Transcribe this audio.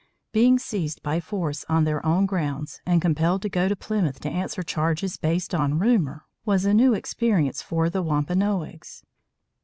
Being seized by force on their own grounds, and compelled to go to Plymouth to answer charges based on rumor, was a new, experience for the Wampanoags.